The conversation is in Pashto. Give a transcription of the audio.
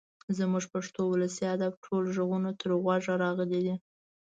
زموږ پښتو ولسي ادب ټول غوږ تر غوږه راغلی دی.